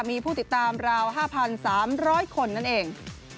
มีผู้ติดตามราว๕๓๐๐คนนั่นเอง